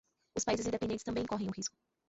os países independentes também correm o risco